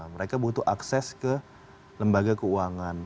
mereka butuh akses ke lembaga keuangan